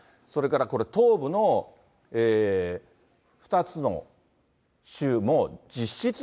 それからこれ、東部の２つの州も実質